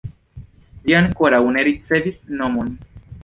Ĝi ankoraŭ ne ricevis nomon.